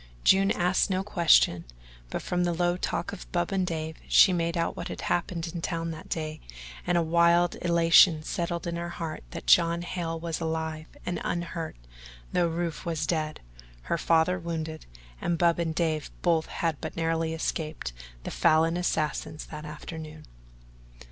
June asked no question, but from the low talk of Bub and Dave she made out what had happened in town that day and a wild elation settled in her heart that John Hale was alive and unhurt though Rufe was dead, her father wounded, and Bub and Dave both had but narrowly escaped the Falin assassins that afternoon.